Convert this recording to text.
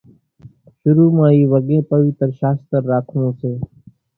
شرُو مان اِي وڳين پويتر شاستر راکوون سي